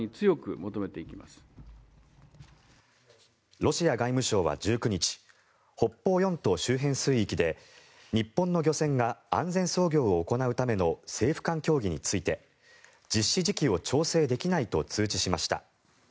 ロシア外務省は１９日北方四島周辺水域で日本の漁船が安全操業を行うための政府間協議について実施時期を調整できないと通知しました。